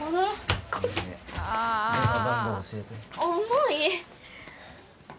「重い！」